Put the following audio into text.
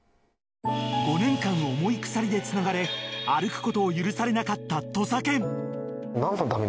５年間、重い鎖でつながれ歩くことを許されなかった土佐犬。